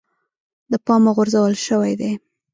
د پامه غورځول شوی دی.